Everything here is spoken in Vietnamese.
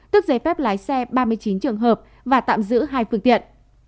tức giấy phép lái xe ba mươi chín trường hợp và tạm giữ hai phương tiện